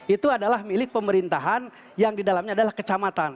itu adalah milik pemerintahan yang didalamnya adalah kecamatan